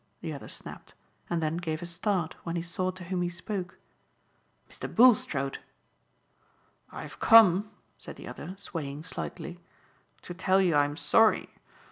the other snapped, and then gave a start when he saw to whom he spoke. "Mr. Bulstrode!" "I've come," said the other swaying slightly, "to tell you I'm sorry.